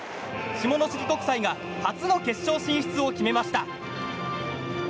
下関国際が初の決勝進出を決めました。